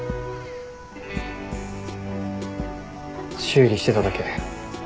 修理してただけ。